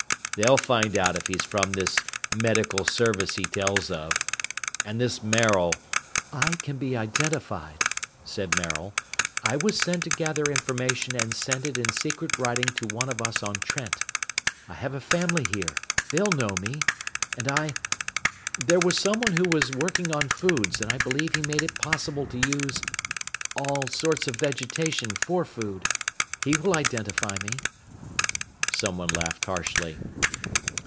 They'll find out if he's from this Medical Service he tells of! and this Maril...." "I can be identified," said Maril. "I was sent to gather information and send it in secret writing to one of us on Trent. I have a family here. They'll know me! And I there was someone who was working on foods, and I believe he made it possible to use ... all sorts of vegetation for food. He will identify me." Someone laughed harshly.